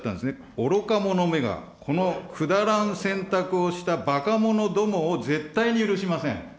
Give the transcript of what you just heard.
愚か者めが、このくだらん選択をしたばか者どもを、絶対に許しません。